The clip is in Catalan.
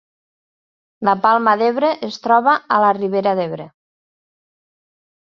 La Palma d’Ebre es troba a la Ribera d’Ebre